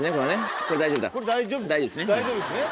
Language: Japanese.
大丈夫ですね。